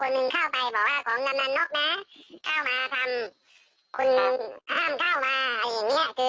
ก็มีมีหน้าน่าอีกคนนึงเข้าไปบอกว่าของนำนนกน่ะเข้ามาทำคุณน้องห้ามเข้ามาอะไรอย่างเงี้ย